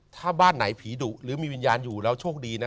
ถ้าบ้านไหนผีดุหรือมีวิญญาณอยู่แล้วโชคดีนะ